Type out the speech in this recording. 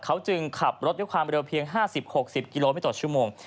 เขาจึงขับรถด้วยความเร็วเพียง๕๐๖๐กิโลเมตรต่อชั่วโมง